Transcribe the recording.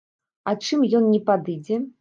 А чым ён не падыдзе?